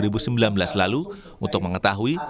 pujo mengatakan pertemuan ini akan menjadi